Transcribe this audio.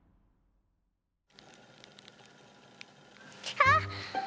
あっ！